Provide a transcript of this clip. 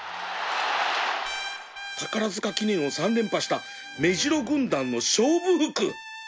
宝塚記念を３連覇したメジロ軍団の勝負服！